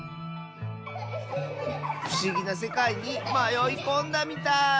ふしぎなせかいにまよいこんだみたい！